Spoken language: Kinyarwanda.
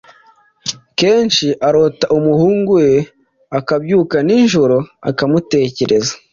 kenshi arota umuhungu we akabyuka nijoro akamutekereza